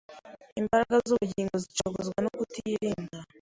imbaraga z’ubugingo zicogozwa no kutirinda